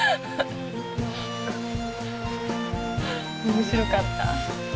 面白かった。